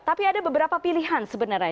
tapi ada beberapa pilihan sebenarnya